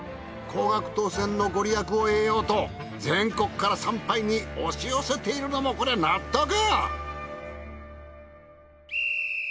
高額当選のご利益を得ようと全国から参拝に押し寄せているのもこれは納得。